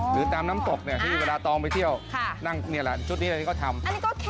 หรือตามน้ำตกที่อุปกรณาตองไปเที่ยวนั่งนี่แหละชุดนี้ก็ทำ